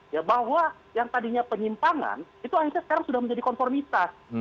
ya bahwa yang tadinya penyimpangan itu akhirnya sekarang sudah menjadi konformitas